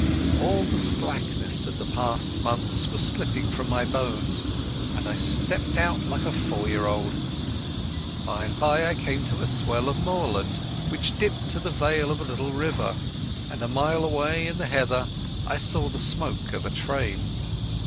All the slackness of the past months was slipping from my bones, and I stepped out like a four year old. By and by I came to a swell of moorland which dipped to the vale of a little river, and a mile away in the heather I saw the smoke of a train.